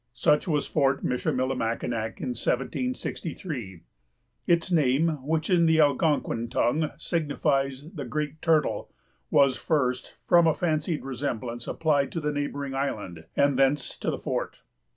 Such was Fort Michillimackinac in 1763. Its name, which, in the Algonquin tongue, signifies the Great Turtle, was first, from a fancied resemblance, applied to the neighboring island, and thence to the fort.